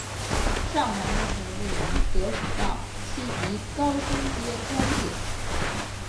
上环站则位于德辅道西及高升街交界。